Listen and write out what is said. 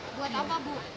buat apa bu